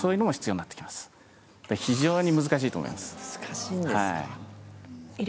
難しいんですか。